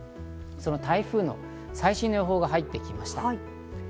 その台風の最新の予報が入ってきました。